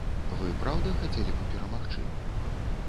Вы, праўда, хацелі б перамагчы?